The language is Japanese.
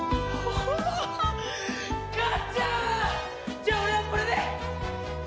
じゃあ俺はこれで！